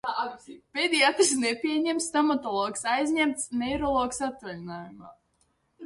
Pediatrs nepieņem. Stomatologs aizņemts. Neirologs atvaļinājumā.